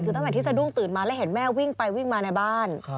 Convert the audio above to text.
คือตั้งแต่ที่สะดุ้งตื่นมาแล้วเห็นแม่วิ่งไปวิ่งมาในบ้าน